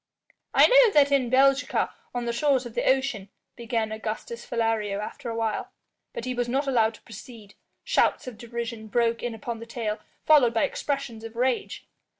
"I know that in Belgica, on the shores of the ocean " began Augustus Philario after a while. But he was not allowed to proceed. Shouts of derision broke in upon the tale, followed by expressions of rage.